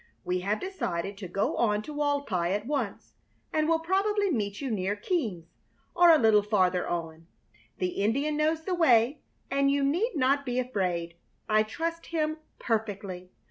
We have decided to go on to Walpi at once, and will probably meet you near Keams, or a little farther on. The Indian knows the way, and you need not be afraid. I trust him perfectly.